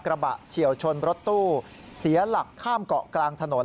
เฉียวชนรถตู้เสียหลักข้ามเกาะกลางถนน